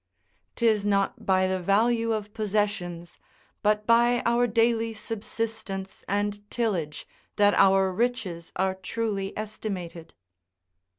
["'Tis not by the value of possessions, but by our daily subsistence and tillage, that our riches are truly estimated."